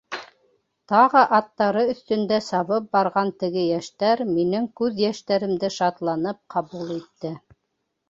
Тағы аттары өҫтөндә сабып барған теге йәштәр минең күҙ йәштәремде шатланып ҡабул итте.